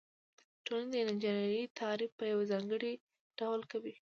ټولنې د انجنیری تعریف په یو ځانګړي ډول کوي.